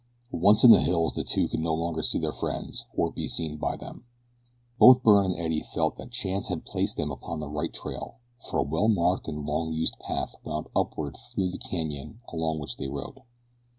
Once in the hills the two could no longer see their friends or be seen by them. Both Byrne and Eddie felt that chance had placed them upon the right trail for a well marked and long used path wound upward through a canyon along which they rode.